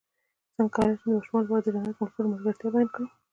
څنګه کولی شم د ماشومانو لپاره د جنت د ملګرو ملګرتیا بیان کړم